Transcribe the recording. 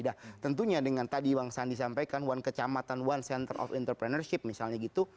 nah tentunya dengan tadi bang sandi sampaikan one kecamatan one center of entrepreneurship misalnya gitu